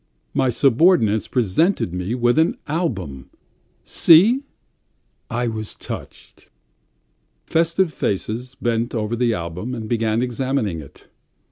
My subordinates presented me with an album ... see! I was touched." Festive faces bent over the album and began examining it.